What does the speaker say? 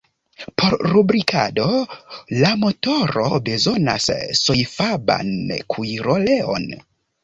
Por lubrikado la motoro bezonas sojfaban kuiroleon.